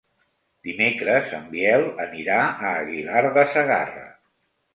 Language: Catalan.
Dimecres en Biel anirà a Aguilar de Segarra.